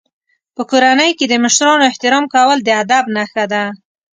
په کورنۍ کې د مشرانو احترام کول د ادب نښه ده.